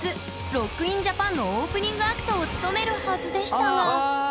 ＲＯＣＫＩＮＪＡＰＡＮのオープニングアクトを務めるはずでしたが最悪だね。